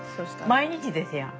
毎日ですやん。